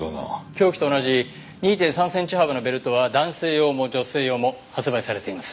凶器と同じ２．３センチ幅のベルトは男性用も女性用も発売されています。